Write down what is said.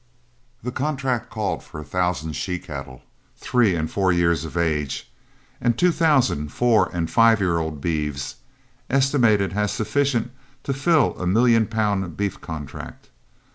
The contract called for a thousand she cattle, three and four years of age, and two thousand four and five year old beeves, estimated as sufficient to fill a million pound beef contract.